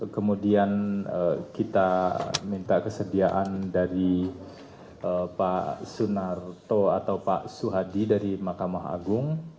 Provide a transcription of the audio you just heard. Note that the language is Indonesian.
kemudian kita minta kesediaan dari pak sunarto atau pak suhadi dari mahkamah agung